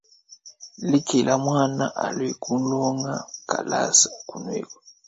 Lekela muana alue kulonga kalasa kunueku.